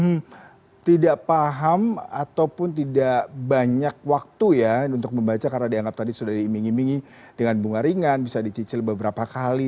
hmm tidak paham ataupun tidak banyak waktu ya untuk membaca karena dianggap tadi sudah diimingi imingi dengan bunga ringan bisa dicicil beberapa kali